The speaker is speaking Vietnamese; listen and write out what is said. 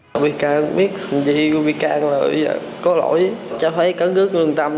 hồng biết gì của mỹ cang là có lỗi cháu phải cấn cức lương tâm